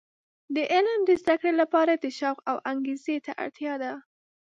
د علم د زده کړې لپاره د شوق او انګیزې ته اړتیا ده.